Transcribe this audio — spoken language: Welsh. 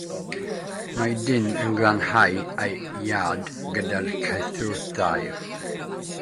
Mae dyn yn glanhau ei iard gyda chwythwr dail